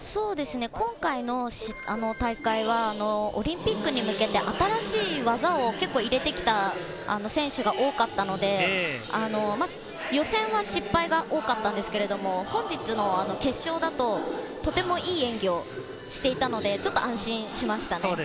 今回の大会はオリンピックに向けて新しい技を結構入れてきた選手が多かったので、予選は失敗が多かったんですけど、本日の決勝だと、とてもいい演技をしていたので、ちょっと安心しました。